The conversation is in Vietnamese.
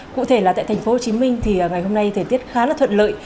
cụ thể là tại thành phố hồ chí minh thì ngày hôm nay thời tiết khá là thuận lợi